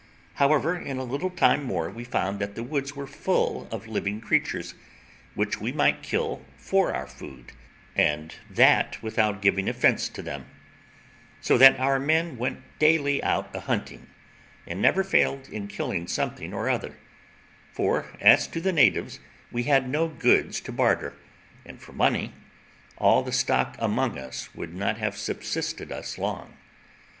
However, in a little time more we found that the woods were full of living creatures, which we might kill for our food, and that without giving offence to them; so that our men went daily out a hunting, and never failed in killing something or other; for, as to the natives, we had no goods to barter; and for money, all the stock among us would not have subsisted us long.